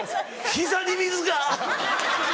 膝に水が！